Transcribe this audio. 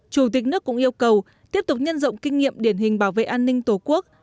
chủ tịch nước cũng yêu cầu tiếp tục nhân rộng kinh nghiệm điển hình bảo vệ an ninh tổ quốc